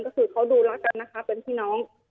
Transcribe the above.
ก็คือเขาดูรักกันนะคะเป็นพี่น้อง